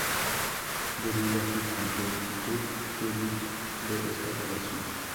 Deriva su completitud Turing de esta relación.